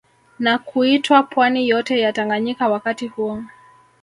Na kuitwaa Pwani yote ya Tanganyika wakati huo